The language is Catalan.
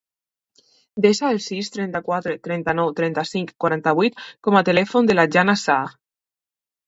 Desa el sis, trenta-quatre, trenta-nou, trenta-cinc, quaranta-vuit com a telèfon de la Jana Saa.